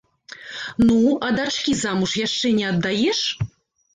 Ну, а дачкі замуж яшчэ не аддаеш?